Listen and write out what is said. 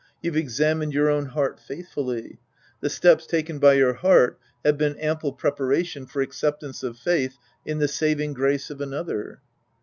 You've examined your own heart faithfully The steps taken by your heart have been ample pre paration for acceptance of faith in the saving grace of another.